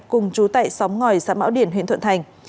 cùng chú tại xóm ngòi xã mão điền huyện thuận thành